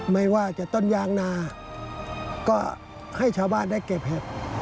ไม่ว่าจะต้นยางนาก็ให้ชาวบ้านได้เก็บเห็ด